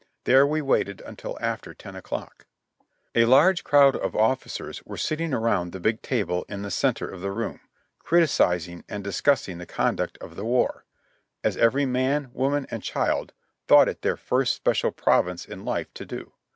There we waited until after ten o'clock. A large crowd of officers were sitting around the big table in tlie center of the room, criticising and discussing the conduct of the war, as every man, woman and child thought it their first special province in life to do.